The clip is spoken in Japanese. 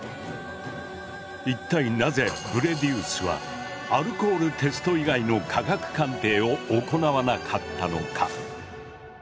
一体なぜブレディウスはアルコールテスト以外の科学鑑定を行わなかったのか？